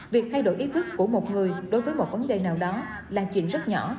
việc thay đổi ý thức của một người đối với một vấn đề nào đó là chuyện rất nhỏ